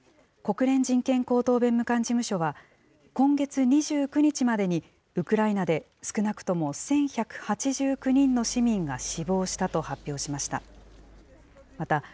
国連人権高等弁務官事務所は、今月２９日までに、ウクライナで少なくとも１１８９人の市民が死亡したと発表しました。